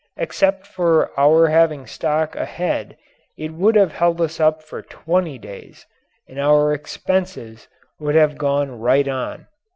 Except for our having stock ahead it would have held us up for twenty days and our expenses would have gone right on.